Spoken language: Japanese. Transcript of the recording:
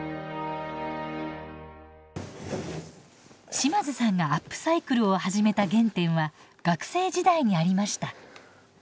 島津さんがアップサイクルを始めた原点は学生時代にありました。